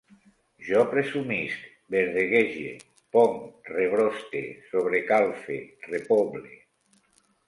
Jo presumisc, verdeguege, ponc, rebroste, sobrecalfe, repoble